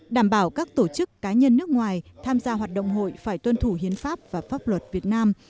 đảm bảo các tổ chức cá nhân nước ngoài tham gia hoạt động hội phải tuân thủ hiến pháp và pháp luật việt nam